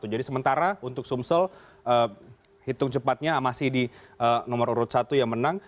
jadi sementara untuk sumsel hitung cepatnya masih di nomor urut satu yang menang